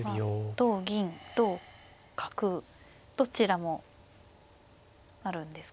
同銀同角どちらもあるんですか？